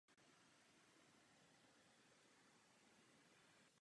Trénoval ji Poledník.